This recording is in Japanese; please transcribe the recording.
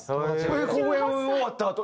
公演終わったあと。